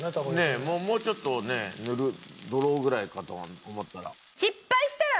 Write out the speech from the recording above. ねえもうちょっとねドロッぐらいかと思ってたら。